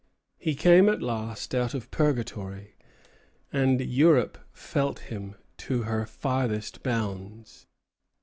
He came at last out of purgatory; and Europe felt him to her farthest bounds.